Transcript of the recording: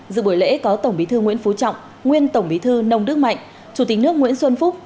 dự buổi lễ có tổng bí thư nguyễn phú trọng nguyên tổng bí thư nông đức mạnh chủ tịch nước nguyễn xuân phúc